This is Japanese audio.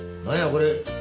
これ。